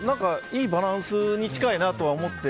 いいバランスに近いなと思って